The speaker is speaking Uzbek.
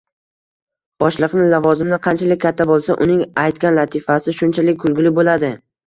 Boshliqning lavozimi qanchalik katta boʻlsa, uning aytgan latifasi shunchalik kulguli boʻladi..